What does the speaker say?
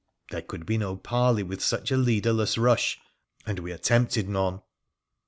There could be no parley with such a leadeiiess rush, and we attempted none.